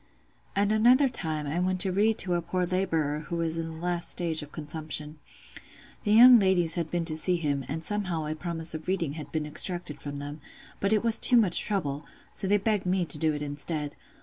At another time I went to read to a poor labourer who was in the last stage of consumption. The young ladies had been to see him, and somehow a promise of reading had been extracted from them; but it was too much trouble, so they begged me to do it instead.